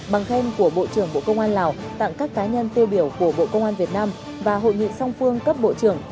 bằng khen của bộ trưởng bộ công an lào tặng các cá nhân tiêu biểu của bộ công an việt nam và hội nghị song phương cấp bộ trưởng